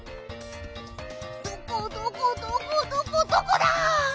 どこどこどこどこどこだ！？